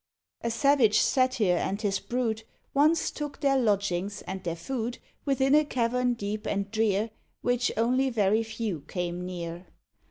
A savage Satyr and his brood Once took their lodgings and their food Within a cavern deep and drear, Which only very few came near.